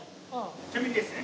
ちなみにですね